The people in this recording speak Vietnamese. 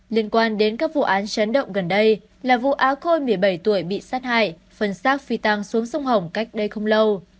liên quan đến các vụ án chấn động gần đây là vụ á khôi một mươi bảy tuổi bị sát hại phần xác phi tăng xuống sông hồng cách đây không lâu